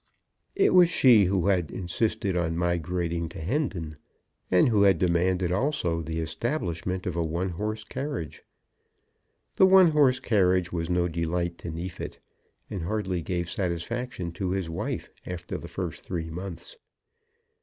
It was she who had insisted on migrating to Hendon, and who had demanded also the establishment of a one horse carriage. The one horse carriage was no delight to Neefit, and hardly gave satisfaction to his wife after the first three months.